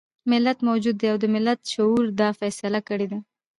ملت موجود دی او د ملت شعور دا فيصله کړې ده.